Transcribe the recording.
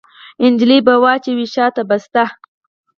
نجلۍ به واچوي وشا ته بسته